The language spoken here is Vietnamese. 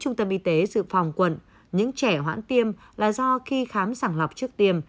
trung tâm y tế dự phòng quận những trẻ hoãn tiêm là do khi khám sàng lọc trước tiêm